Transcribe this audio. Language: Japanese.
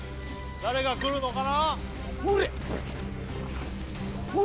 誰が来るのかな？